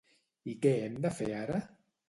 I què hem de fer ara?